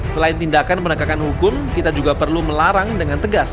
selain tindakan penegakan hukum kita juga perlu melarang dengan tegas